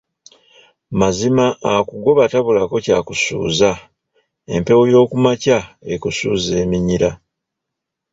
Mazima akugoba tabulako ky'akusuuza, empewo y'okumakya ekusuuza eminyira.